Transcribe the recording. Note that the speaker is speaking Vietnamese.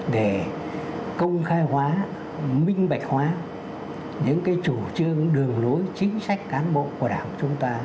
để công khai hóa minh bạch hóa những chủ trương đường lối chính sách cán bộ của đảng chúng ta